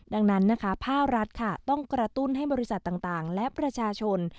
ดังนั้นนะคะภาครัฐค่ะต้องกระตุ้นให้บริษัทต่างและประชาชน